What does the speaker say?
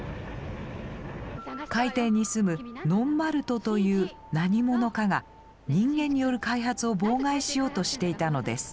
海底に住むノンマルトという何者かが人間による開発を妨害しようとしていたのです。